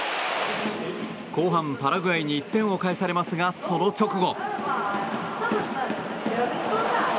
後半パラグアイに１点を返されますがその直後。